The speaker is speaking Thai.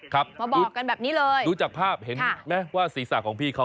ครับดูจากภาพเห็นไหมว่าศีรษะของพี่นะ